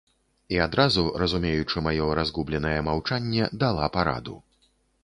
І адразу, разумеючы маё разгубленае маўчанне, дала параду.